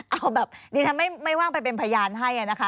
เอาแบบดิฉันไม่ว่างไปเป็นพยานให้นะคะ